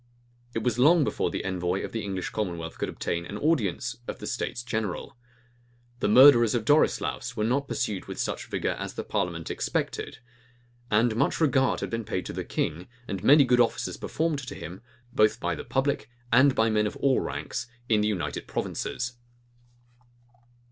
It was long before the envoy of the English commonwealth could obtain an audience of the states general. The murderers of Dorislaus were not pursued with such vigor as the parliament expected. And much regard had been paid to the king, and many good offices performed to him, both by the public, and by men of all ranks, in the United Provinces.